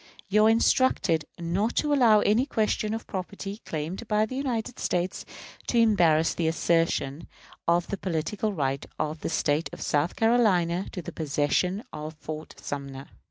You are instructed not to allow any question of property claimed by the United States to embarrass the assertion of the political right of the State of South Carolina to the possession of Fort Sumter.